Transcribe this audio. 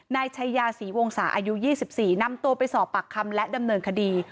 นายชายาศรีวงศาอายุ๒๔นำตัวไปสอบปากคำและดำเนินคดี